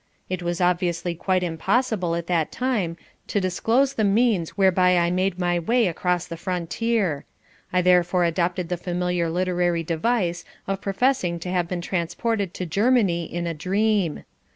It was obviously quite impossible at that time to disclose the means whereby I made my way across the frontier. I therefore adopted the familiar literary device of professing to have been transported to Germany in a dream.